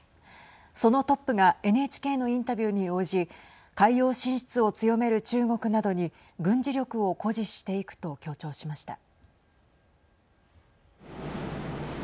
そのトップがＮＨＫのインタビューに応じ海洋進出を強める中国などに軍事力を誇示していくと強調しました。